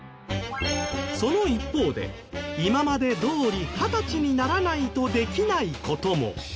その一方で今までどおり２０歳にならないとできない事も。